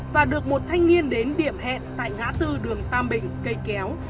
và được một thanh niên đến điểm hẹn tại ngã tư đường tam bình cây kéo